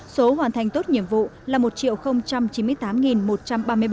số hoàn thành tốt nhiệm vụ là một chín mươi tám một trăm ba mươi bảy người chiếm sáu mươi sáu một mươi năm